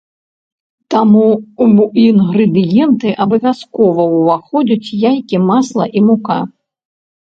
Таму ў інгрэдыенты абавязкова ўваходзяць яйкі, масла і мука.